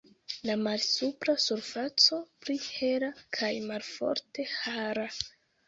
La malsupra surfaco pli hela kaj malforte hara.